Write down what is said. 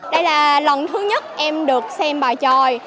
đây là lần thứ nhất em được xem bài tròi